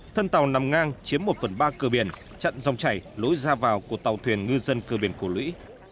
thân tàu nằm ngang chiếm một phần ba cửa biển chặn dòng chảy lối ra vào của tàu thuyền ngư dân cơ biển cổ lũy